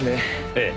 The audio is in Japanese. ええ。